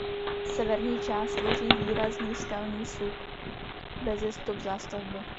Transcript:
Severní část tvoří výrazný skalní suk beze stop zástavby.